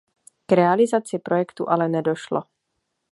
K realizaci projektu ale nedošlo.